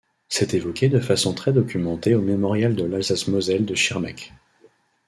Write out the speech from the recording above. C'est évoqué de façon très documentée au Mémorial de l'Alsace-Moselle de Schirmeck.